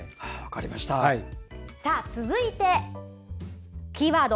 続いて、キーワード